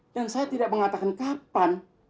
dan saya tidak mengatakan kapan